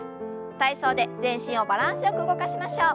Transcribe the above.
体操で全身をバランスよく動かしましょう。